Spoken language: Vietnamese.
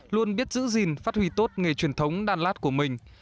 luôn biết giữ gìn phát huy tốt nghề truyền thống đan lát của mình